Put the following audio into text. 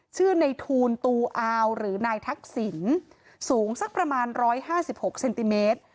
ชื่อในทูลตูอาวหรือนายทักษิณสูงสักประมาณ๑๕๖เซนติเมตร